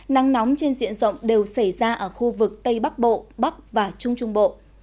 nắng nóng trên diện rộng đều xảy ra ở khu vực tây bắc bộ bắc và trung trung bộ